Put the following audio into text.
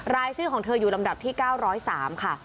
รายชื่อของเธออยู่ลำดับที่๙๐๓ค่ะ